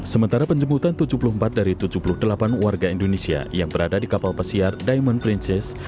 sementara penjemputan tujuh puluh empat dari tujuh puluh delapan warga indonesia yang berada di kapal pesiar diamond princess